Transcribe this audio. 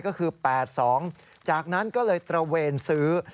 ก็คือ๘๒จากนั้นก็เลยตระเวนซื้อ